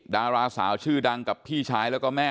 ดาราสาวชื่อดังกับพี่ชายแล้วก็แม่